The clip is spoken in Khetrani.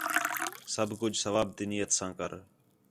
سب کُجھ ثواب تی نیت ساں کر